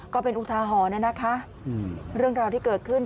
ก็เป็นอุทาหรณ์นะคะเรื่องราวที่เกิดขึ้น